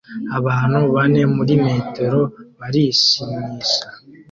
Abantu bane muri metero barishimisha